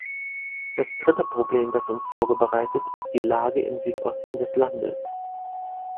Das dritte Problem, das uns Sorge bereitet, ist die Lage im Südosten des Landes.